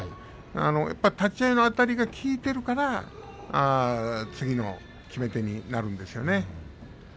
やっぱり立ち合いのあたりが効いているから次の決め手になるんですよね。